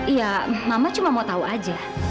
iya mama cuma mau tahu aja